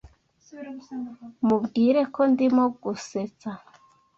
Mubwire ko ndimo gusetsa.